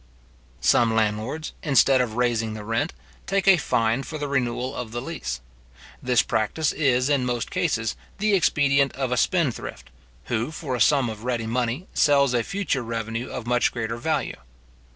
Some landlords, instead of raising the rent, take a fine for the renewal of the lease. This practice is, in most cases, the expedient of a spendthrift, who, for a sum of ready money sells a future revenue of much greater value.